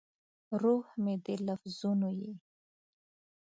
روح مې د لفظونو یې